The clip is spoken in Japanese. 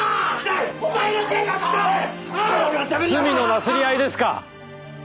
罪のなすり合いですか。